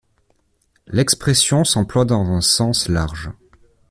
L’expression s’emploie dans un sens large.